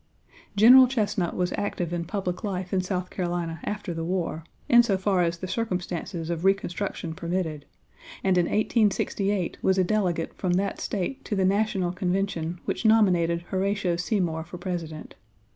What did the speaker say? General Chesnut was active in public life in South Carolina after the war, in so far as the circumstances of Reconstruction permitted, and in 1868 was a delegate from that State to the National convention which nominated Horatio Seymour for President.